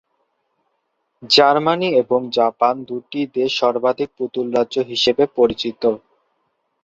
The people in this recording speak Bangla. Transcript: জার্মানি এবং জাপান দুটি দেশ সর্বাধিক পুতুল রাজ্য হিসেবে পরিচিত।